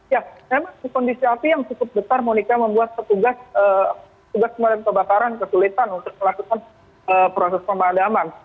ya memang kondisi api yang cukup besar monika membuat petugas pemadam kebakaran kesulitan untuk melakukan proses pemadaman